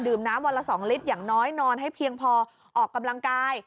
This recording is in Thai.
น้ำวันละ๒ลิตรอย่างน้อยนอนให้เพียงพอออกกำลังกาย